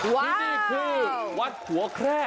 ที่นี่คือวัดหัวแคร่